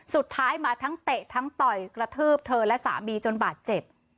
สุดท้ายมาทั้งเตะทั้งต่อยกระทืบเธอและสามีจนบาดเจ็บ